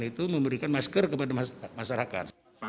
dan itu memberikan masker kepada masyarakat